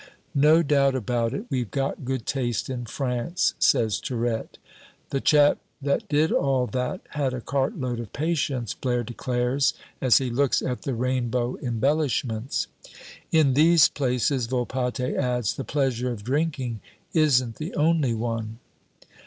"No doubt about it, we've got good taste in France," says Tirette. "The chap that did all that had a cartload of patience," Blaire declares as he looks at the rainbow embellishments. "In these places," Volpatte adds, "the pleasure of drinking isn't the only one."